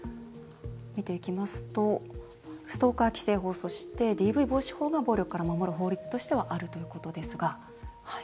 見ていきますとストーカー規制法そして、ＤＶ防止法が暴力から守る法律としてはあるということですが。